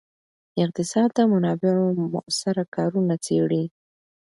اقتصاد د منابعو مؤثره کارونه څیړي.